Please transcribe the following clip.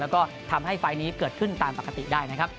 แล้วก็ทำให้ไฟล์นี้เกิดขึ้นตามปกติได้นะครับ